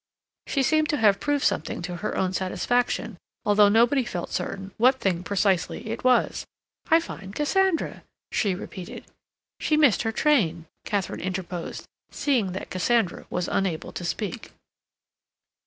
She seemed to have proved something to her own satisfaction, although nobody felt certain what thing precisely it was. "I find Cassandra," she repeated. "She missed her train," Katharine interposed, seeing that Cassandra was unable to speak.